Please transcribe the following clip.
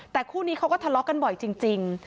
แต่คู่นี้เขาก็ทะเลาะกันบ่อยจริง